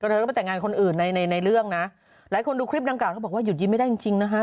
เธอก็ไปแต่งงานคนอื่นในในเรื่องนะหลายคนดูคลิปดังกล่าเธอบอกว่าหยุดยิ้มไม่ได้จริงจริงนะฮะ